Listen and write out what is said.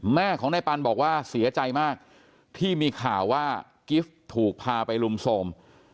แม่ของนายปันบอกว่าเสียใจมากที่มีข่าวว่ากิฟต์ถูกพาไปลุมโทรม